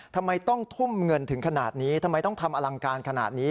ทำไมต้องทุ่มเงินถึงขนาดนี้ทำไมต้องทำอลังการขนาดนี้